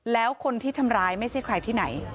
แล้วคนที่ทำร้ายไม่ใช่ใครที่ไหน